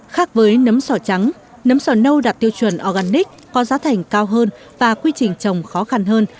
khác với nấm sò trắng nấm sò nâu đạt tiêu chuẩn organic có giá thành cao hơn và quy trình trồng khó khăn hơn